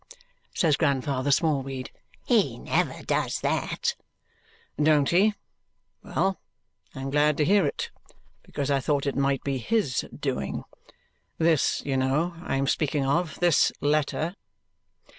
says Grandfather Smallweed. "He never does that!" "Don't he? Well, I am glad to hear it, because I thought it might be HIS doing. This, you know, I am speaking of. This letter."